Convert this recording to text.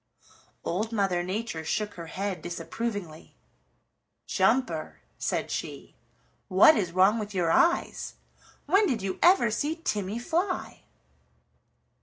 Old Mother Nature shook her head disapprovingly. "Jumper," said she, "what is wrong with your eyes? When did you ever see Timmy fly?"